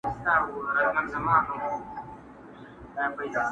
او خپرېږي،